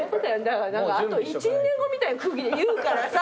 あと１２年後みたいな空気で言うからさ。